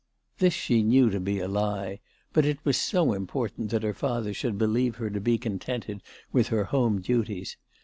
This she knew to be a lie, but it was so important that her father should believe her to be contented with her home duties